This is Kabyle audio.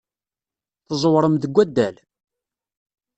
Tẓewrem deg waddal?